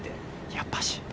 やっぱし。